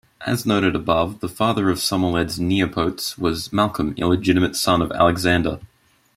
As noted above, the father of Somerled's "nepotes" was Malcolm, illegitimate son of Alexander.